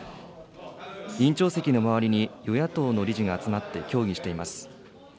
委員長席の周りに、与野党の理事が集まって協議しています。